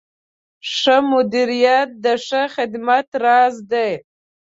ښه مدیریت د ښه خدمت راز دی.